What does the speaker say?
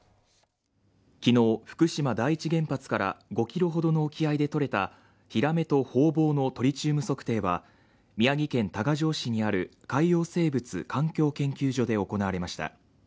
昨日福島第一原発から５ｋｍほどの沖合でとれたヒラメとホウボウのトリチウム測定は宮城健多賀城市にある海洋生物環境研究所で行われました。